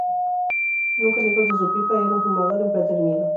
Nunca lejos de su pipa, era un fumador empedernido.